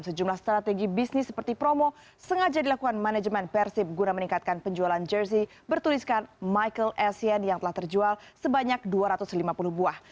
sejumlah strategi bisnis seperti promo sengaja dilakukan manajemen persib guna meningkatkan penjualan jersey bertuliskan michael essien yang telah terjual sebanyak dua ratus lima puluh buah